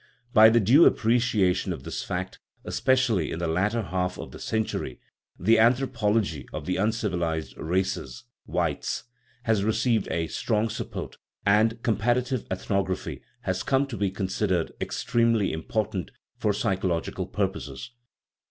By the due appreciation of this fact, espe cially in the latter half of the century, the "Anthropol ogy of the uncivilized races " (Waitz) has received a strong support, and comparative ethnography has come to be considered extremely important for psychological purposes.